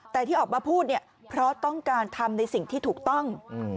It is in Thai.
แต่ที่ออกมาพูดเนี่ยเพราะต้องการทำในสิ่งที่ถูกต้อง